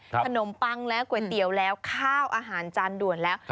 ขนมปังแล้วก๋วยเตี๋ยวแล้วข้าวอาหารจานด่วนแล้ว